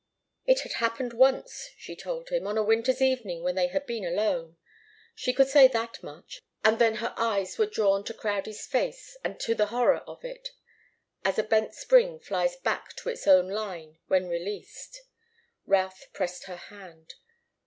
It had happened once, she told him, on a winter's evening when they had been alone. She could say that much, and then her eyes were drawn to Crowdie's face, and to the horror of it, as a bent spring flies back to its own line when released. Routh pressed her hand.